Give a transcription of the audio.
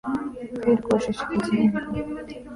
پھر کوشش کیجئے